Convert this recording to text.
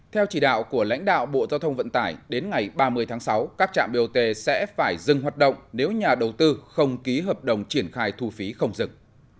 theo chỉ đạo của lãnh đạo bộ giao thông vận tải đến ngày ba mươi tháng sáu các trạm bot sẽ phải dừng hoạt động nếu nhà đầu tư không ký hợp đồng triển khai thu phí không dừng